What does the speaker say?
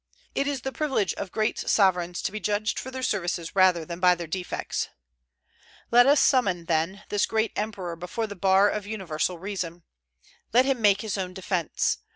It is the privilege of great sovereigns to be judged for their services rather than by their defects. Let us summon, then, this great Emperor before the bar of universal reason. Let him make his own defence.